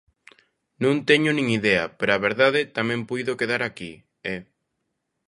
Non teño nin idea, pero a verdade; tamén puido quedar aquí, eh.